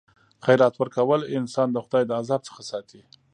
خیرات ورکول انسان د خدای د عذاب څخه ساتي.